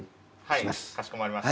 かしこまりました。